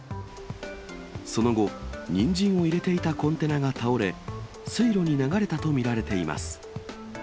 その後、ニンジンを入れていたコンテナが倒れ、水路に流れたと見られています。